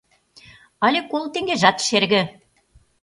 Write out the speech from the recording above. Але коло теҥгежат шерге...